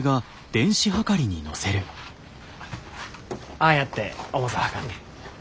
ああやって重さ量んねん。